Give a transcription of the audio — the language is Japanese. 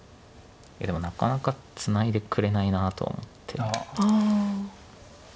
でもなかなかツナいでくれないなとは思って。